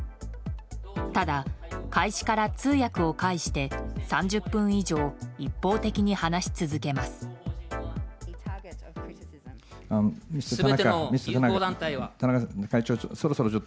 ただ、開始から通訳を介して３０分以上一方的に話し続けます。